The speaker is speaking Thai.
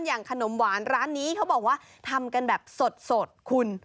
อย่างขนมหวานร้านนี้เขาบอกว่าทำกันแบบสดคุณ